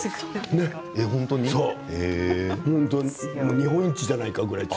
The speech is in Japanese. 日本一じゃないかぐらい。